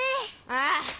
ああ。